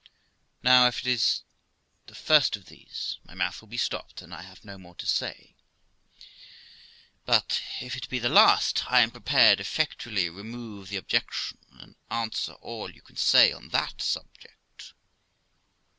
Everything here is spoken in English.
Now, if it be the first of these, my mouth will be stopped, and I have no more to say ; but if it be the last, I am prepared effectually remove the objection, and answer all you can say on that subject.'